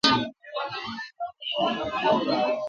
onye gụrụ abụ abụọ "Broken Dreams" na "Change"